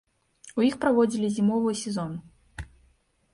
У іх праводзілі зімовы сезон.